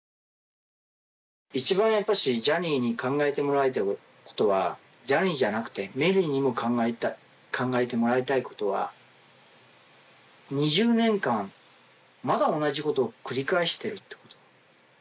一番、やっぱりジャニーに考えてもらいたいことはジャニーじゃなくて、メリーにも考えてもらいたいことは、２０年間、まだ同じことを繰り返しているっていうこと。